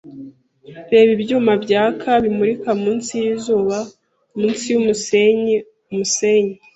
reba ibyuma byaka bimurika munsi yizuba, munsi yumusenyi, umusenyi.